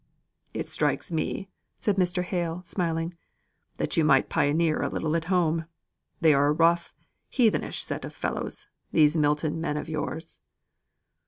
"It strikes me," said Mr. Hale, smiling, "that you might pioneer a little at home. They are a rough, heathenish set of fellows, these Milton men of yours."